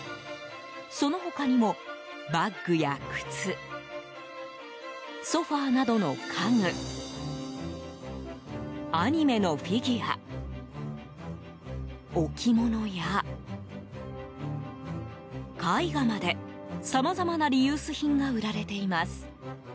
その他にもバッグや靴、ソファなどの家具アニメのフィギュア置き物や絵画までさまざまなリユース品が売られています。